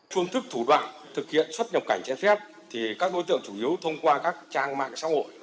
phương thức thủ đoạn thực hiện xuất nhập cảnh trái phép thì các đối tượng chủ yếu thông qua các trang mạng xã hội